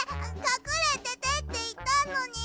かくれててっていったのに。